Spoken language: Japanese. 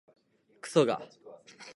くそが